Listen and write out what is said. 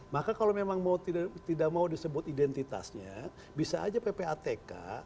maka kalau memang mau tidak mau disebut identitasnya bisa aja ppatk